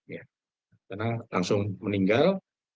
karena langsung meninggal